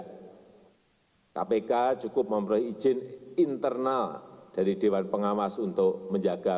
ke pengadilan tidak kpk cukup memperoleh izin internal dari dewan pengawas untuk menjaga